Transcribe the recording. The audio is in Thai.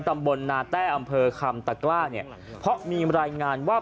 ตำบลนาแต้อำเภอคำตะกล้าเนี่ยเพราะมีรายงานว่า